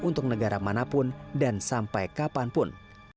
untuk negara manapun dan sampai kapanpun